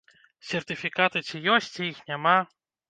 Сертыфікаты ці ёсць, ці іх няма!